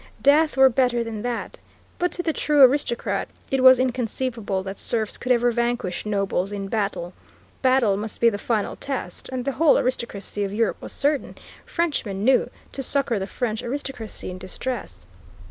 Death were better than that. But to the true aristocrat it was inconceivable that serfs could ever vanquish nobles in battle. Battle must be the final test, and the whole aristocracy of Europe was certain, Frenchmen knew, to succor the French aristocracy in distress.